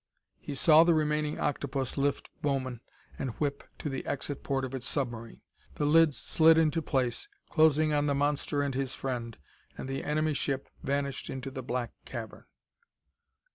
He saw the remaining octopus lift Bowman and whip to the exit port of its submarine. The lid slid into place, closing on the monster and his friend, and the enemy ship vanished into the black cavern....